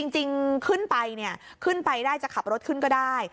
จริงขึ้นไปเนี่ยขึ้นไปได้จะขับรถขึ้นก็ได้